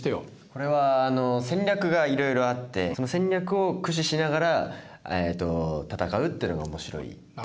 これは戦略がいろいろあってその戦略を駆使しながら戦うってのが面白いってことですね。